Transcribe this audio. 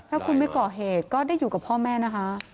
ถ้าคุณไม่ก่อเหตุก็ได้อยู่กับพ่อแม่นะคะ